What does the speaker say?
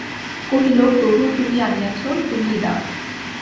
কহিল, প্রভু, তুমি আনিয়াছ, তুমিই দাও।